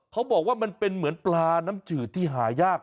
เขาบอกว่ามันเป็นเหมือนปลาน้ำจืดที่หายาก